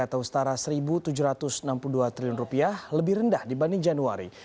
atau setara rp satu tujuh ratus enam puluh dua triliun rupiah lebih rendah dibanding januari